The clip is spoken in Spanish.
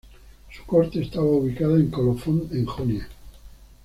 Su corte estaba ubicada en Colofón en Jonia.